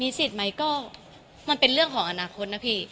สิทธิ์ไหมก็มันเป็นเรื่องของอนาคตนะพี่